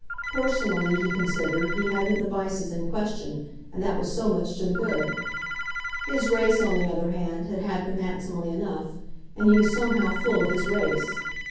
Personally, he considered, he hadn't the vices in question and that was so much to the good. His race, on the other hand, had had them handsomely enough, and he was somehow full of his race.